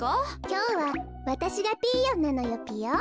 きょうはわたしがピーヨンなのよぴよ。